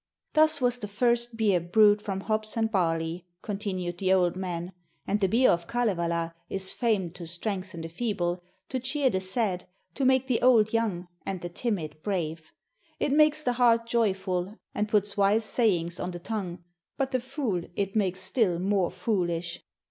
'Thus was beer first brewed from hops and barley,' continued the old man, 'and the beer of Kalevala is famed to strengthen the feeble, to cheer the sad, to make the old young, and the timid brave. It makes the heart joyful and puts wise sayings on the tongue, but the fool it makes still more foolish.'